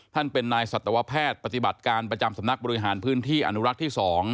ท่านเป็นนายสัตวแพทย์ปฏิบัติการประจำสำนักบริหารพื้นที่อนุรักษ์ที่๒